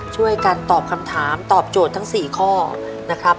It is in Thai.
ช่วยกันตอบคำถามตอบโจทย์ทั้ง๔ข้อนะครับ